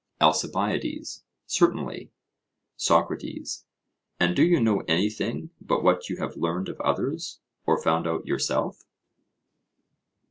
ALCIBIADES: Certainly. SOCRATES: And do you know anything but what you have learned of others, or found out yourself?